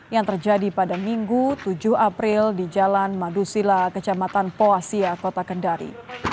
yang terjadi pada minggu tujuh april di jalan madusila kecamatan poasia kota kendari